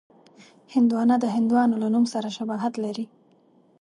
هندوانه د هندوانو له نوم سره شباهت لري.